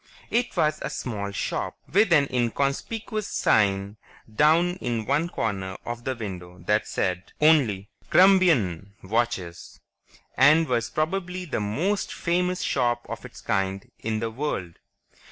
It was a small shop, with an inconspicuous sign down in one corner of the window that said only, "KRUMBEIN watches," and was probably the most famous shop of its kind in the world.